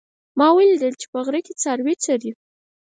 ما ولیدل چې په غره کې څاروي څري